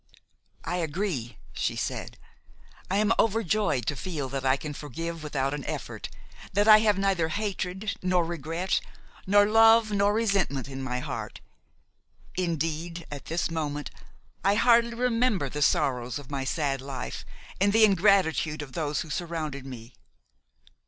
"I agree," she said; "I am overjoyed to feel that I can forgive without an effort, that I have neither hatred nor regret nor love nor resentment in my heart; indeed, at this moment, I hardly remember the sorrows of my sad life and the ingratitude of those who surrounded me.